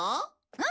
うん？